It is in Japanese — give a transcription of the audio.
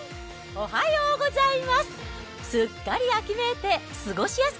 おはようございます。